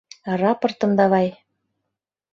Рапортым давай!